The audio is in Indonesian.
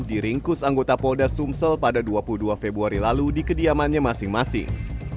diringkus anggota polda sumsel pada dua puluh dua februari lalu di kediamannya masing masing